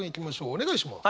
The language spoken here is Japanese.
お願いします。